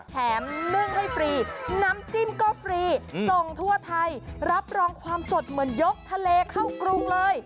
นึ่งให้ฟรีน้ำจิ้มก็ฟรีส่งทั่วไทยรับรองความสดเหมือนยกทะเลเข้ากรุงเลย